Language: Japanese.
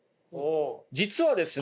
実はですね